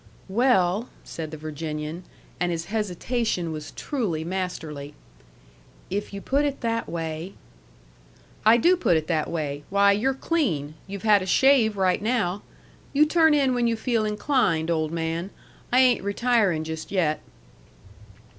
"Well," said the Virginian (and his hesitation was truly masterly), "if you put it that way " "I do put it that way. Why, you're clean! You've had a shave right now. You turn in when you feel inclined, old man! I ain't retiring just yet."